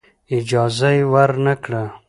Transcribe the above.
اجازه یې ورنه کړه.